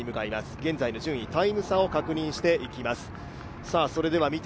現在の順位、タイム差を確認していきます。